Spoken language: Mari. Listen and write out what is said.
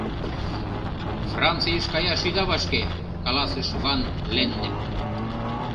— Францийыш каяш ида вашке, — каласыш Ван-Леннеп.